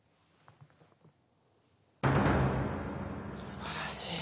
すばらしい。